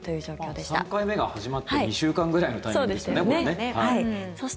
まあ、３回目が始まって２週間ぐらいのタイミングですよね、これ。